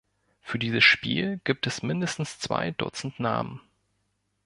Für dieses Spiel gibt es mindestens zwei Dutzend Namen.